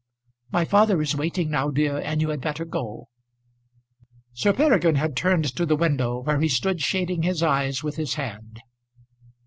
My father is waiting now, dear, and you had better go." Sir Peregrine had turned to the window, where he stood shading his eyes with his hand.